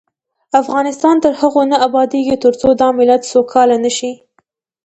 افغانستان تر هغو نه ابادیږي، ترڅو دا ملت سوکاله نشي.